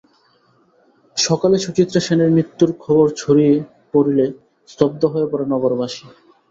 সকালে সুচিত্রা সেনের মৃত্যুর খবর ছড়িয়ে পড়লে স্তব্ধ হয়ে পড়ে নগরবাসী।